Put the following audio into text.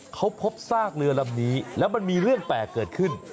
เขาพบซากเรือลำนี้แล้วมันมีเรื่องแปลกเกิดขึ้น